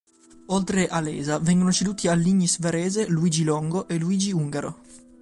Oltre a Lesa vengono ceduti all'Ignis Varese Luigi Longo e Luigi Ungaro.